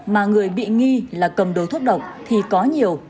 mà người bị nghi là cầm đồ thúc độc thì có nhiều